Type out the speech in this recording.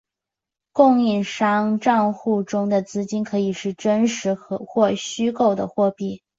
供应商帐户中的资金可以是真实或者虚构的货币。